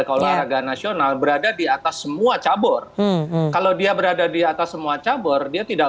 olahraga nasional berada di atas semua cabur kalau dia berada di atas semua cabur dia tidak